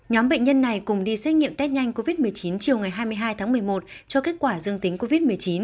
nhóm bệnh nhân này cùng đi xét nghiệm test nhanh covid một mươi chín chiều ngày hai mươi hai tháng một mươi một cho kết quả dương tính covid một mươi chín